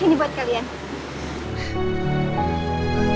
terima kasih ya nak ya